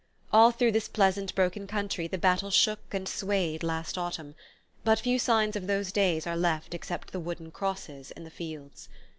All through this pleasant broken country the battle shook and swayed last autumn; but few signs of those days are left except the wooden crosses in the fields.